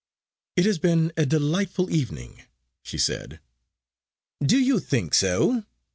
"It has been a delightful evening," she said. "Do you think so?